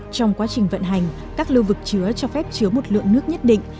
trong quá trình vận hành các lưu vực chứa cho phép chứa một lượng nước nhất định